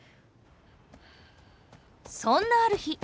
そんなある日